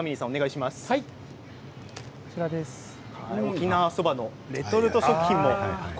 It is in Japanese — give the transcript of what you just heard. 沖縄そばのレトルト食品です。